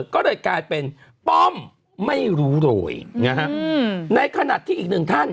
ก็เลยกลายเป็นป้อมไม่รู้โดยนะฮะในขณะที่อีกหนึ่งท่าน